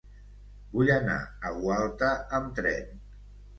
Vull anar a Gualta amb tren.